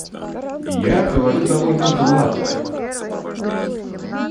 Я говорю довольно гладко.